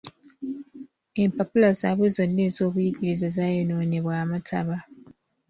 Empapula zaabwe zonna ez'obuyigirize zaayonoonebwa amataba.